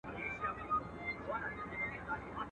پر پچه وختی، کشمير ئې وليدی.